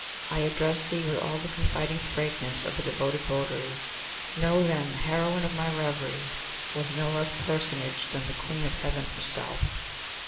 I address thee with all the confiding frankness of a devoted votary. Know, then, the heroine of my reverie was no less a personage than the Queen of Heaven herself!